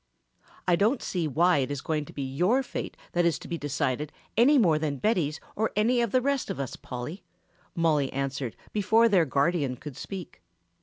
"I don't see why it is going to be your fate that is to be decided any more than Betty's or any of the rest of us, Polly." Mollie answered before their guardian could speak.